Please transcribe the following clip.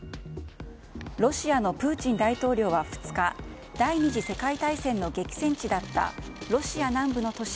ロシアのプーチン大統領は２日第２次世界大戦の激戦地だったロシア南部の都市